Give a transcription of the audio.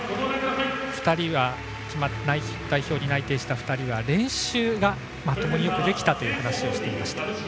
今日代表に内定した２人は練習がよくできたという話をしていました。